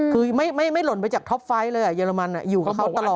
คือไม่หล่นไปจากท็อปไฟต์เลยเยอรมันอยู่กับเขาตลอด